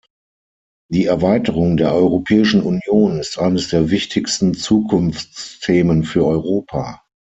Die Erweiterung der Europäischen Union ist eines der wichtigsten Zukunftsthemen für Europa.